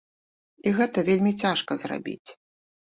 І гэта вельмі цяжка зрабіць.